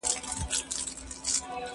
زه اوس انځورونه رسم کوم؟!